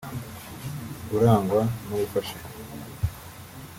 urangwa no gufashanya